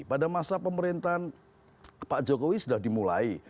pada masa pemerintahan pak jokowi sudah dimulai